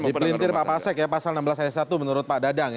dipelintir pak pasek ya pasal enam belas ayat satu menurut pak dadang ya